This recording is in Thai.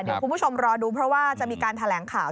เดี๋ยวคุณผู้ชมรอดูเพราะว่าจะมีการแถลงข่าว